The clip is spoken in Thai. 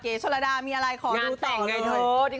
เกรชฤดามีอะไรขอดูต่อด้วย